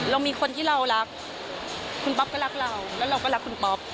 เรามีคนที่เรารักคุณป๊อปก็รักเราแล้วเราก็รักคุณป๊อป